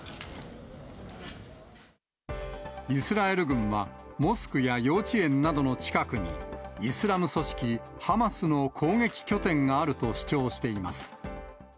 イスラエル軍は、モスクや幼稚園などの近くに、イスラム組織ハマスの攻撃拠点があると主張しています。